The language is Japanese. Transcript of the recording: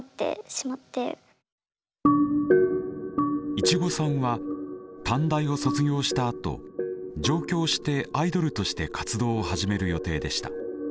いちごさんは短大を卒業したあと上京してアイドルとして活動を始める予定でした。